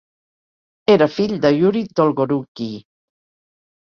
Era fill de Yuri Dolgorukiy.